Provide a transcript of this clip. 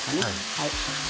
はい。